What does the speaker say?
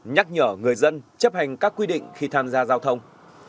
nhắc nhở người dân chấp hành các quy định khi tham gia giao thông